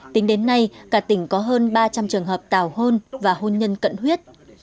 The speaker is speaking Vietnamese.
tính đến nay cả tỉnh có hơn ba trăm linh trường hợp tào hôn và hôn nhân cận huyết